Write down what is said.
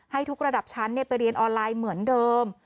ให้ทุกระดับชั้นไปเรียนออนไลน์เหมือนเดิม